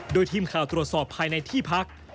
โดยทีมข่าวตรวจสอบภายในที่พัก